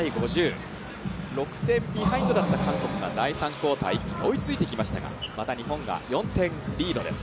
６点ビハインドだった韓国が第３クオーター、追いついてきましたがまた日本が４点リードです。